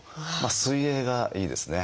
水泳がいいですね。